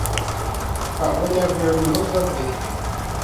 Ka o lԑbi biri ni o tobbihi.